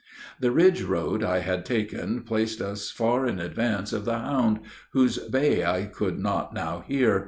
"The ridge road I had taken placed us far in advance of the hound, whose bay I could not now hear.